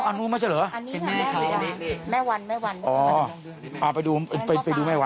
อันนู้นไม่ใช่เหรอ